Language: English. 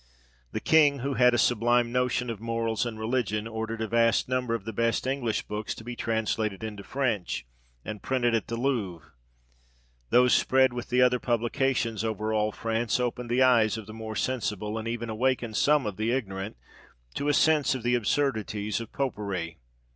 The King, who had a sublime notion of morals and religion, ordered a vast number of the best English books to be translated into French, and printed at the Louvre : these spread with the other publications over all France, opened the eyes of the more sensible, and even awakened some of the ignorant to a sense of the absurdities of popery.